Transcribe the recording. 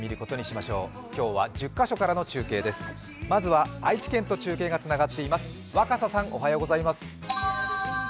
まずは愛知県と中継がつながっています。